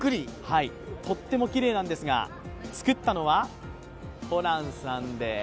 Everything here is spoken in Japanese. とってもきれいなんですが作ったのはホランさんです！